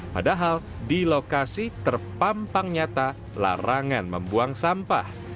padahal di lokasi terpampang nyata larangan membuang sampah